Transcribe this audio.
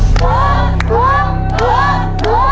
กับพ่อ